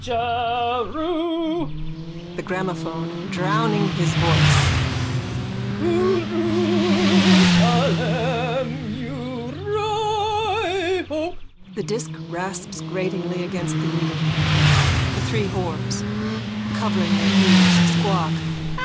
_ Jeru... THE GRAMOPHONE: (Drowning his voice.) Whorusalaminyourhighhohhhh... (The disc rasps gratingly against the needle.) THE THREE WHORES: _(Covering their ears, squawk.)